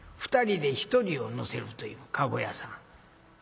２人で１人を乗せるという駕籠屋さん。